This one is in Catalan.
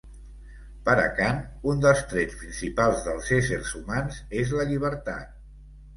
Per a Kant, un dels trets principals dels éssers humans és la llibertat.